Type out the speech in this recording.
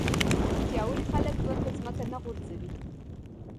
پیاوړي خلک نور په ځمکه نه غورځوي.